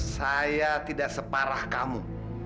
saya tidak separah kamu